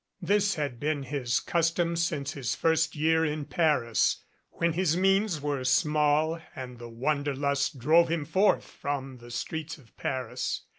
This had been his custom since his first year in Paris, when his means were small and the wanderlust drove him forth from the streets of Paris.